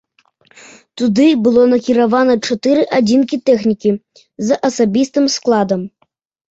Туды было накіравана чатыры адзінкі тэхнікі з асабістым складам.